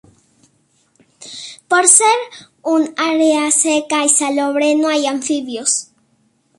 Por ser un área seca y salobre, no hay anfibios.